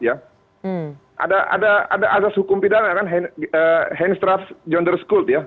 ada asas hukum pidana hensdrafts jonderskuld ya